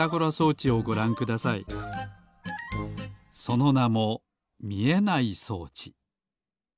そのなもみえない装置。